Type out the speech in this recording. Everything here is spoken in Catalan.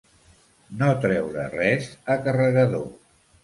No treure res a carregador.